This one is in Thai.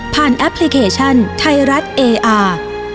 แอปพลิเคชันไทยรัฐเออาร์